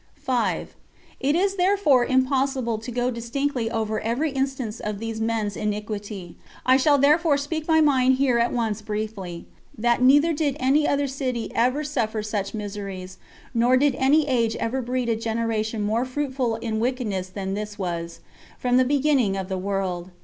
5. It is therefore impossible to go distinctly over every instance of these men's iniquity. I shall therefore speak my mind here at once briefly: That neither did any other city ever suffer such miseries, nor did any age ever breed a generation more fruitful in wickedness than this was, from the beginning of the world.